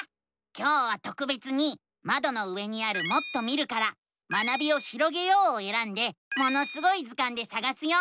今日はとくべつにまどの上にある「もっと見る」から「学びをひろげよう」をえらんで「ものすごい図鑑」でさがすよ。